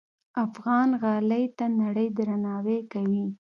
افغان غالۍ ته نړۍ درناوی کوي.